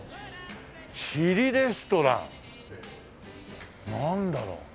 「チリレストラン」なんだろう？